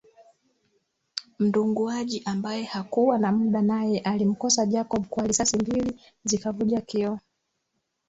Mdunguaji ambaye hakuwa na muda naye alimkosa Jacob kwa risasi mbili zikavunja kioo